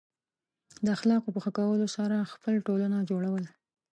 د اخلاقو په ښه کولو سره خپل ټولنه جوړول.